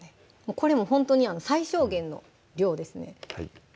これもほんとに最小限の量ですね